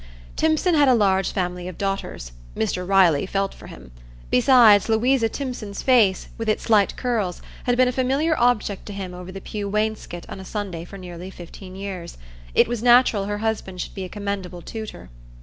Timpson had a large family of daughters; Mr Riley felt for him; besides, Louisa Timpson's face, with its light curls, had been a familiar object to him over the pew wainscot on a Sunday for nearly fifteen years; it was natural her husband should be a commendable tutor.